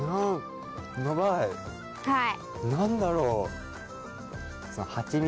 はい。